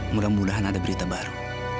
mudah mudahan ada berita baru